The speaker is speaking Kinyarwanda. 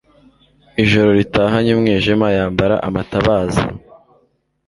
Ijoro ritahanye umwijima yambara amatabaza